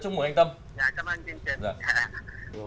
chúc mừng anh tâm nhé